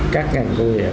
các ngành xử lý